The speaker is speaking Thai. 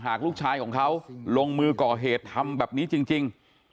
ลูกชายของเขาลงมือก่อเหตุทำแบบนี้จริง